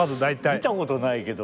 見たことないけど。